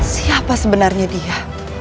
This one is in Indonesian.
siapa sebenarnya dia